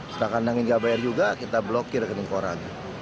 setelah kandangin nggak bayar juga kita blokir ke lingkungan raga